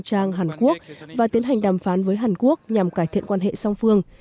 trang hàn quốc và tiến hành đàm phán với hàn quốc nhằm cải thiện quan hệ song phương